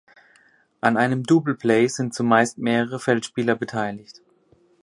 An einem Double Play sind zumeist mehrere Feldspieler beteiligt.